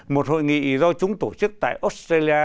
một hội nghị do chúng tổ chức tại australia